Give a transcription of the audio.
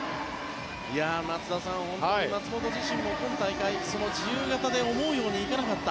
松田さん、松元自身も今大会その自由形で思うようにいかなかった。